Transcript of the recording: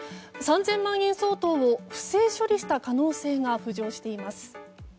３０００万円相当を不正処理した可能性が浮上しています。